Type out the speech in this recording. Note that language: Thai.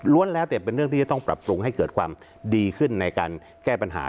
แล้วแต่เป็นเรื่องที่จะต้องปรับปรุงให้เกิดความดีขึ้นในการแก้ปัญหา